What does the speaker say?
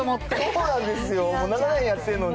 そうなんですよ、長年やってるのに。